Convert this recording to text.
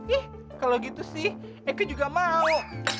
ih kalau gitu sih eko juga mau